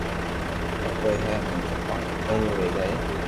ھي ڪوئي ني ھين ڪوم ادھورو رئي جائي